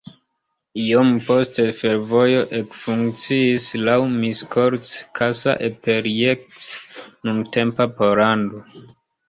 Iom poste fervojo ekfunkciis laŭ Miskolc-Kassa-Eperjes-nuntempa Pollando.